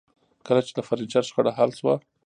کله چې د فرنیچر شخړه حل شوه